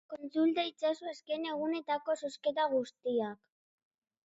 Kontsulta itzazu azken egunetako zozketa guztiak.